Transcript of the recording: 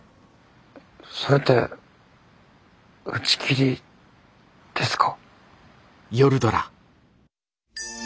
それって打ち切りですか？